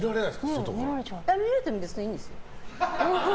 見られてもいいんですよ。